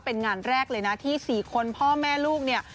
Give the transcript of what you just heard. เป็นงานแรกเลยนะที่๔คนพ่อแม่ลูกเนี่ย